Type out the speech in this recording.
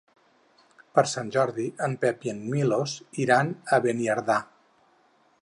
Per Sant Jordi en Pep i en Milos iran a Beniardà.